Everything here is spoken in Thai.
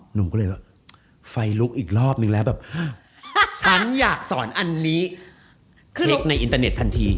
หนูก็เลยว่าไฟลุกอีกรอบนึงแล้วแบบฮะฉันอยากสอนอันนี้เช็คในอินเตอร์เน็ตทันที